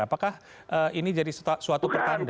apakah ini jadi suatu pertanda